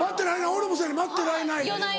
俺もそうやねん待ってられないあっ